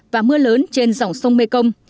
và mưa lớn trên dòng sông mê công